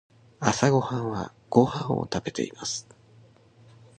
朝ごはんはご飯を食べています。